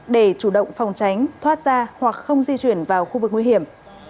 để chủ động phòng tránh thoát ra hoặc không di chuyển vào khu vực nguy hiểm